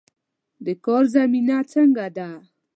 د کار زمینه څنګه ده؟